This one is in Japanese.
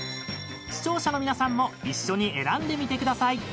［視聴者の皆さんも一緒に選んでみてください］